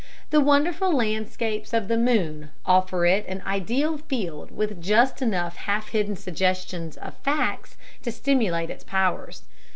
The wonderful landscapes of the moon offer it an ideal field with just enough half hidden suggestions of facts to stimulate its powers.